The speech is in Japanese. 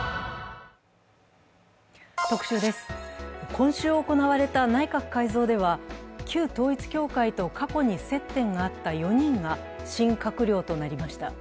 今週行われた内閣改造では、旧統一教会と過去に接点があった４人が新閣僚となりました。